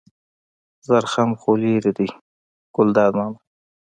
زرخم خو لېرې دی ګلداد ماما.